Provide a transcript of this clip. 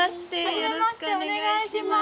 よろしくお願いします。